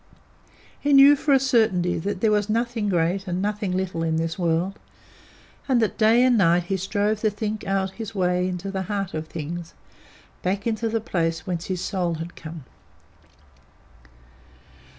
He knew for a certainty that there was nothing great and nothing little in this world: and day and night he strove to think out his way into the heart of things, back to the place whence his soul had come.